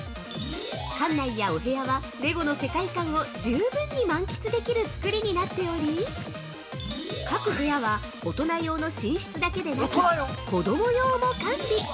館内やお部屋はレゴの世界観を十分に満喫できる造りになっており各部屋は大人用の寝室だけでなく子供用も完備。